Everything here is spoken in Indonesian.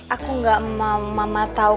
aku enggak mau mama tahu